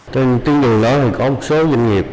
trên tuyến đường đó thì có một số doanh nghiệp